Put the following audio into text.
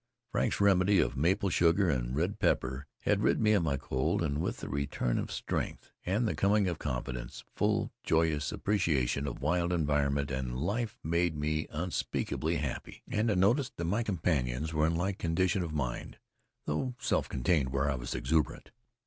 Frank's remedy of maple sugar and red pepper had rid me of my cold, and with the return of strength, and the coming of confidence, full, joyous appreciation of wild environment and life made me unspeakably happy. And I noticed that my companions were in like condition of mind, though self contained where I was exuberant.